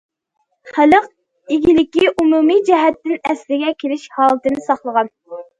خەلق ئىگىلىكى ئومۇمىي جەھەتتىن ئەسلىگە كېلىش ھالىتىنى ساقلىغان.